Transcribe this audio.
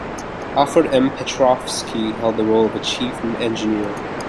Alfred M. Petrofsky held the role of chief engineer.